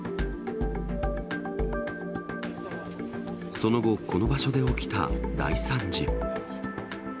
その後、この場所で起きた大惨事。